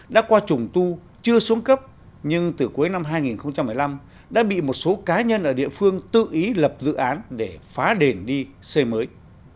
đã qua trùng tu chưa xuống cấp nhưng từ cuối năm hai nghìn một mươi năm đã bị một số cá nhân ở địa phương tự ý lập dự án để phá đền đi xây mới